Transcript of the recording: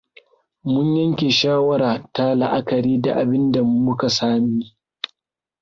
Mun yanke shawara ta la'akari da abinda muka sani.